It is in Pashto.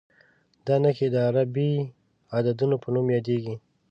دا نښې د عربي عددونو په نوم یادېږي.